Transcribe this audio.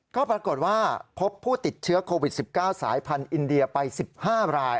ก็ปรากฏว่าพบผู้ติดเชื้อโควิด๑๙สายพันธุ์อินเดียไป๑๕ราย